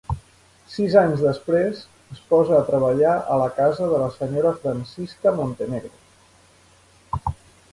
Sis anys després, es posa a treballar a la casa de la senyora Francisca Montenegro.